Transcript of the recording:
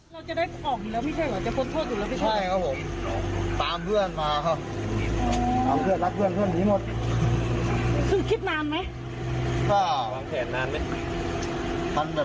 เราจะได้ออกอีกแล้วไม่ใช่เหรอจะพ้นโทษอีกแล้วไม่ใช่เหรอ